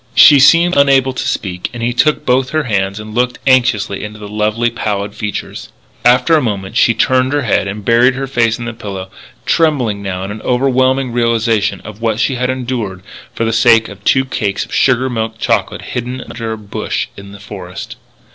She seemed unable to speak, and he took both her hands and looked anxiously into the lovely, pallid features. After a moment she turned her head and buried her face in the pillow, trembling now in overwhelming realization of what she had endured for the sake of two cakes of sugar milk chocolate hidden under a bush in the forest.